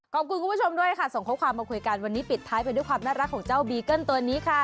คุณผู้ชมด้วยค่ะส่งข้อความมาคุยกันวันนี้ปิดท้ายไปด้วยความน่ารักของเจ้าบีเกิ้ลตัวนี้ค่ะ